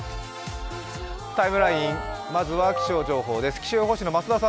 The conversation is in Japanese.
「タイムライン」、まずは気象情報です。